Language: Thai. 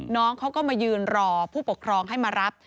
น้องเขาก็มายืนรอผู้ปกครองให้มารับ